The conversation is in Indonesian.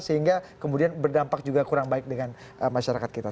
sehingga kemudian berdampak juga kurang baik dengan masyarakat kita